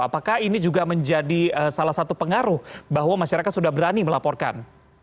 apakah ini juga menjadi salah satu pengaruh bahwa masyarakat sudah berani melaporkan